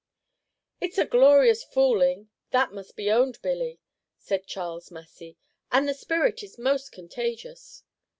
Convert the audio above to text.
"It is glorious fooling, that must be owned, Billy," said Charles Massy, "and the spirit is most contagious.